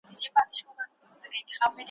له ازل هېره افغانستانه`